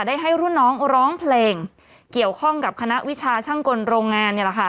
ได้ให้รุ่นน้องร้องเพลงเกี่ยวข้องกับคณะวิชาช่างกลโรงงานเนี่ยแหละค่ะ